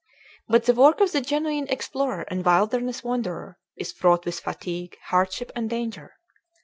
But the work of the genuine explorer and wilderness wanderer is fraught with fatigue, hardship, and danger.